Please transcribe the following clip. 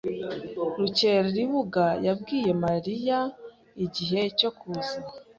Rukeribuga yabwiye Mariya igihe cyo kuza?